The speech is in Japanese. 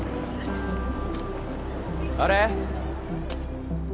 あれ？